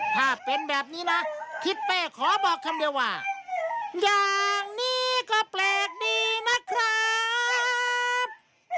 ถ้าเป็นแบบนี้นะทิศเป้ขอบอกคำเดียวว่าอย่างนี้ก็แปลกดีนะครับ